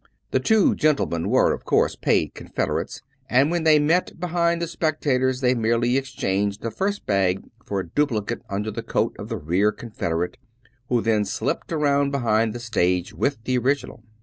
The two gentlemen were, of course, paid confederates ; and when they met behind the spectators, they merely exchanged the first bag for a du plicate under the coat of the rear confederate, who then slipped around behind the stage with the original.